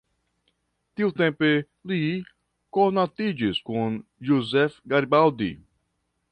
Tiutempe li konatiĝis kun Giuseppe Garibaldi.